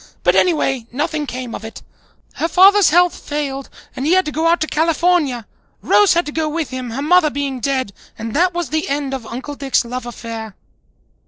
But anyway, nothing came of it. Her father's health failed and he had to go out to California. Rose had to go with him, her mother being dead, and that was the end of Uncle Dick's love affair."